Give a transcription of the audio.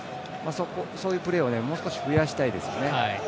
そういうプレーをもう少し増やしたいですね。